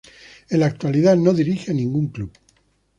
En la actualidad no dirige a ningún club.